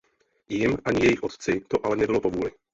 Jim ani jejich otci to ale nebylo po vůli.